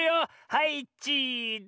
はいチーズって。